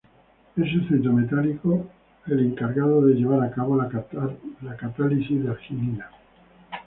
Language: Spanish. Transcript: Es el centro metálico el encargado de llevar a cabo la catálisis de arginina.